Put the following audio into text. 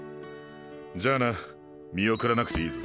じゃあな見送らなくていいぞ。